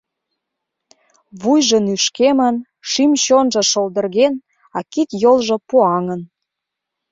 Вуйжо нӱшкемын, шӱм-чонжо шолдырген, а кид-йолжо пуаҥын.